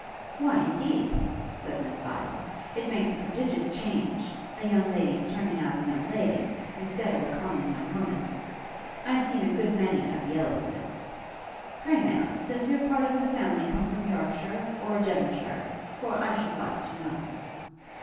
'Why, indeed,' said Miss Bydel, 'it makes a prodigious change, a young lady's turning out a young lady, instead of a common young woman. I've seen a good many of the Ellis's. Pray, Ma'am, does your part of the family come from Yorkshire? or Devonshire? for I should like to know.'